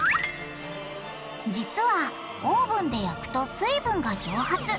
実はオーブンで焼くと水分が蒸発。